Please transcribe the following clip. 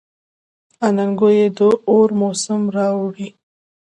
اننګو یې د اور موسم راوړی.